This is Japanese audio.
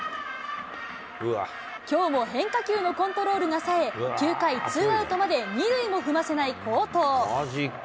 きょうも変化球のコントロールがさえ、９回ツーアウトまで２塁も踏ませない好投。